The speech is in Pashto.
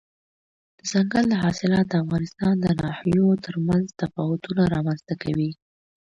دځنګل حاصلات د افغانستان د ناحیو ترمنځ تفاوتونه رامنځ ته کوي.